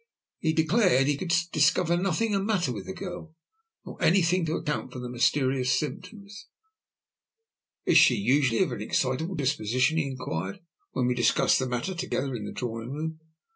He declared he could discover nothing the matter with the girl, nor anything to account for the mysterious symptoms. "Is she usually of an excitable disposition?" he inquired, when we discussed the matter together in the drawing room.